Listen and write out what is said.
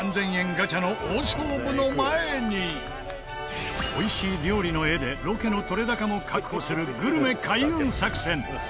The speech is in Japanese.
ガチャの大勝負の前に美味しい料理の画でロケの撮れ高も確保するグルメ開運作戦。